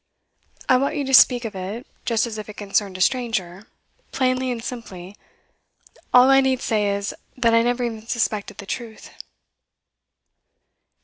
'I want you to speak of it just as if it concerned a stranger, plainly and simply. All I need say is, that I never even suspected the truth.